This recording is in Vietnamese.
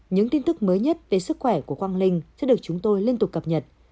những tin tức mới nhất về sức khỏe của quang linh sẽ được chúng tôi liên tục cập nhật